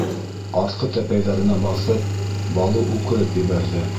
Артҡы тәпәйҙәренә баҫып, Балу үкереп ебәрҙе: